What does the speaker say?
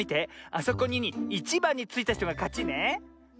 あそこにいちばんについたひとがかちね。